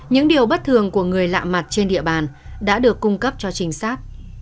những điều bất thường của người lạ mặt trên địa bàn đã được cung cấp cho trinh sát